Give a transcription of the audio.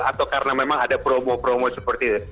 atau karena memang ada promo promo seperti itu